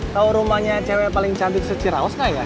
tau rumahnya cewe paling cantik secirauz kaya